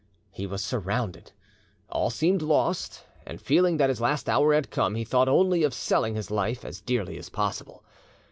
He was surrounded, all seemed lost, and feeling that his last hour had come, he thought only of selling his life as dearly as possible.